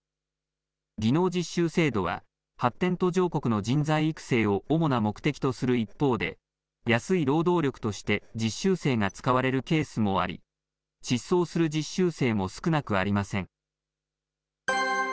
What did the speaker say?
技能実習制度は、発展途上国の人材育成を主な目的とする一方で、安い労働力として実習生が使われるケースもあり、失踪する実習生も少なくありません。